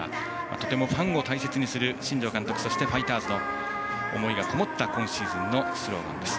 とてもファンを大切にする新庄監督そしてファイターズの思いがこもった今シーズンのスローガンです。